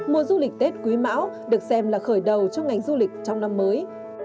mùa du lịch tết quý mão được xem là khởi đầu cho ngành du lịch trong năm mới